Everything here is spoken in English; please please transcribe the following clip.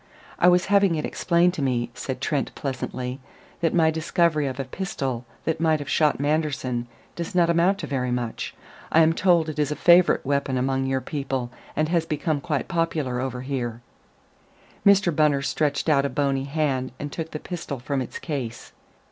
"I was having it explained to me," said Trent pleasantly, "that my discovery of a pistol that might have shot Manderson does not amount to very much. I am told it is a favorite weapon among your people, and has become quite popular over here." Mr. Bunner stretched out a bony hand and took the pistol from its case.